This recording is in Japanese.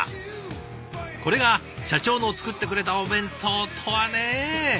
これが社長の作ってくれたお弁当とはね！